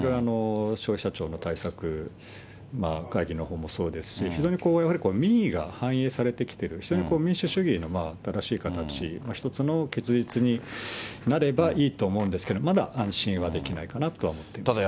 消費者庁の対策会議もそうですし、非常にやはり、民意が反映されてきてる、非常に民主主義への新しい形の一つの結実になればいいと思うんですけど、まだ安心はできないかなと思っています。